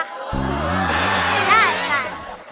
ได้